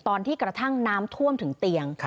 ตอนที่กระทั่งน้ำท่วมถึงเตียง